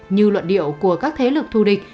như luận điệu của các thế lực thù địch